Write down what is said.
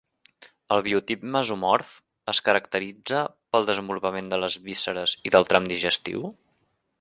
El biotip mesomorf, es caracteritza pel desenvolupament de les vísceres i del tram digestiu?